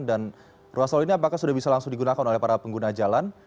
dan ruas tol ini apakah sudah bisa langsung digunakan oleh para pengguna jalan